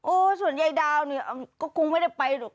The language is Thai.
ส่วนยายดาวเนี่ยก็คงไม่ได้ไปหรอก